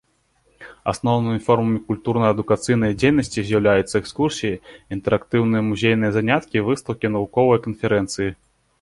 Асноўнымі формамі культурна-адукацыйнай дзейнасці з'яўляюцца экскурсіі, інтэрактыўныя музейныя заняткі, выстаўкі, навуковыя канферэнцыі.